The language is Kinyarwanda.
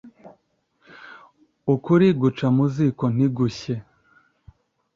ukuri guca mu ziko ntigushye